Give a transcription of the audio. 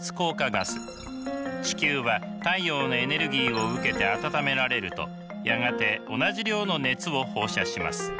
地球は太陽のエネルギーを受けて暖められるとやがて同じ量の熱を放射します。